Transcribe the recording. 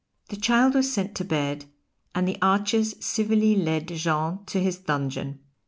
The child was sent to bed, and the archers civilly lead Jean to his dungeon.